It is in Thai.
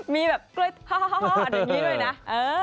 มีแบบกล้วยทอดอย่างนี้ด้วยนะ